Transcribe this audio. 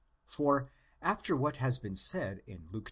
For, after what has been said in Luke x.